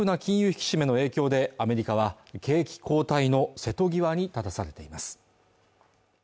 引き締めの影響でアメリカは景気後退の瀬戸際に立たされています